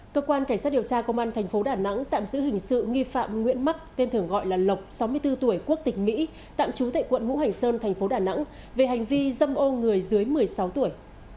cơ quan cảnh sát điều tra công an thành phố đà nẵng tạm giữ hình sự nghi phạm nguyễn mắc tên thường gọi là lộc sáu mươi bốn tuổi quốc tịch mỹ tạm trú tại quận hữu hành sơn thành phố đà nẵng về hành vi dâm ô người dưới một mươi sáu tuổi